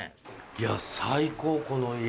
いや最高この家。